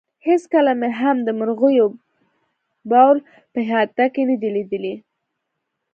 هېڅکله مې هم د مرغیو بول په احاطه کې نه دي لیدلي.